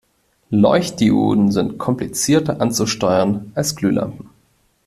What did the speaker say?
Leuchtdioden sind komplizierter anzusteuern als Glühlampen.